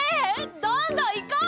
どんどんいこう！